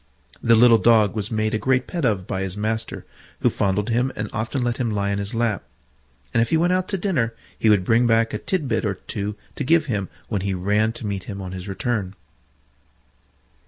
The little Dog was made a great pet of by his master, who fondled him and often let him lie in his lap; and if he went out to dinner, he would bring back a tit bit or two to give him when he ran to meet him on his return.